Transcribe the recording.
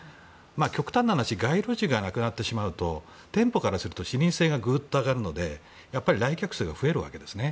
極端な話街路樹がなくなってしまうと店舗からすると視認性がぐっと上がるので来客数が増えるわけですね。